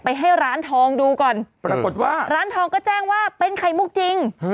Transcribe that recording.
ให้ร้านทองดูก่อนปรากฏว่าร้านทองก็แจ้งว่าเป็นไข่มุกจริง